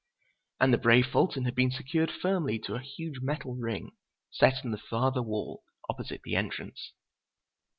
And the brave Fulton had been secured firmly to a huge metal ring set in the farther wall, opposite the entrance.